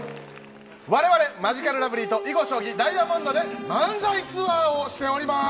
我々マヂカルラブリーと囲碁将棋、ダイヤモンドで漫才ツアーをしております。